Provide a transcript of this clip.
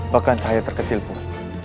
bahkan cahaya terkecil pun